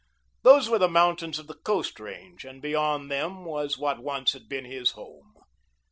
Those were the mountains of the Coast range and beyond them was what once had been his home.